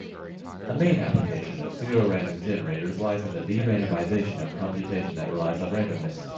A main application of pseudorandom generators lies in the de-randomization of computation that relies on randomness.